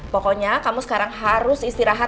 pokoknya kamu sekarang harus istirahat